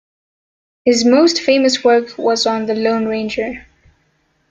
His most famous work was on "The Lone Ranger".